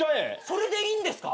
それでいいんですか？